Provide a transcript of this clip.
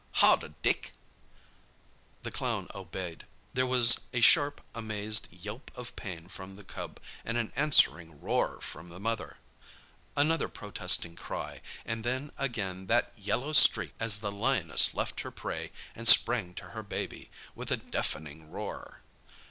"Harder, Dick!" The clown obeyed. There was a sharp, amazed yelp of pain from the cub, and an answering roar from the mother. Another protesting cry—and then again that yellow streak as the lioness left her prey and sprang to her baby, with a deafening roar.